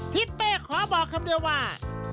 ทิศเป้ขอบอกคำเดียวว่า